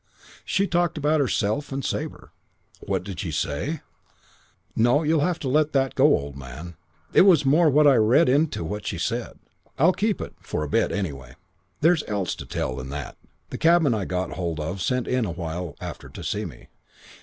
She talked about herself and Sabre. What did she say? No, you'll have to let that go, old man. It was more what I read into what she said. I'll keep it for a bit, anyway. "There's else to tell than that. That cabman I'd got hold of sent in awhile after to see me.